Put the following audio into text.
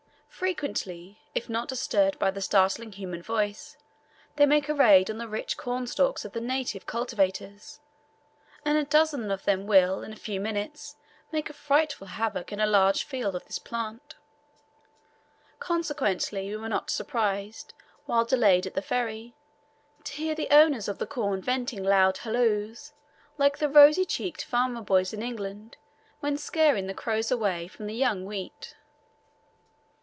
Frequently, if not disturbed by the startling human voice, they make a raid on the rich corn stalks of the native cultivators, and a dozen of them will in a few minutes make a frightful havoc in a large field of this plant. Consequently, we were not surprised, while delayed at the ferry, to hear the owners of the corn venting loud halloos, like the rosy cheeked farmer boys in England when scaring the crows away from the young wheat.